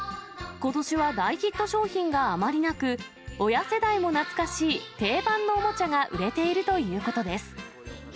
ことしは大ヒット商品があまりなく、親世代も懐かしい定番のおもちゃが売れているということです。